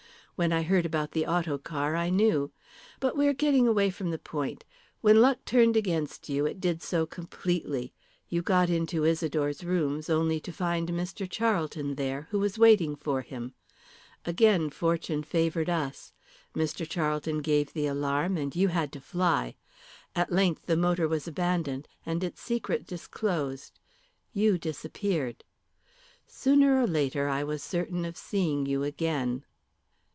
When I heard about the autocar I knew. But we are getting away from the point. When luck turned against you it did so completely. You got into Isidore's rooms, only to find Mr. Charlton there, who was waiting for him. Again fortune favoured us. Mr. Charlton gave the alarm, and you had to fly. At length the motor was abandoned, and its secret disclosed. You disappeared. Sooner or later I was certain of seeing you again."